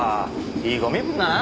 いいご身分だな。